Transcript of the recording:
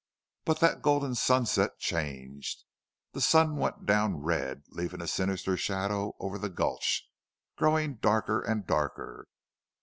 But that golden sunset changed. The sun went down red, leaving a sinister shadow over the gulch, growing darker and darker.